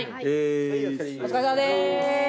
お疲れさまでーす。